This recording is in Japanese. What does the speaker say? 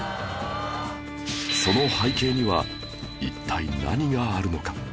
その背景には一体何があるのか？